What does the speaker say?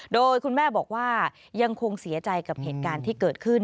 โดยคุณแม่บอกว่ายังคงเสียใจกับเหตุการณ์ที่เกิดขึ้น